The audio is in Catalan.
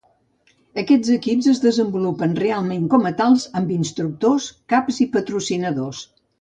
Aquests equips es desenvolupen realment com a tals amb instructors, caps i patrocinadors.